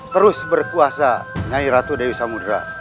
terus berkuasa nyai ratu dewi samudera